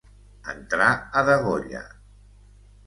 Entrar a degolla.